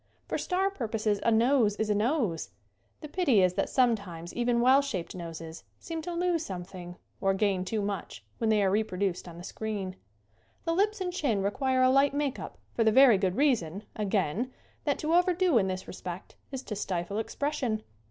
For star purposes a nose is a nose. The pity is that sometimes even well shaped noses seem to lose something or gain too much when they are reproduced on the screen. The lips and chin require a light make up for the very good reason, again, that to overdo in this respect is to stifle expression.